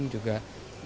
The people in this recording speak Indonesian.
dan juga kementerian sdm